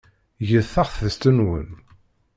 Get taɣtest-nwen.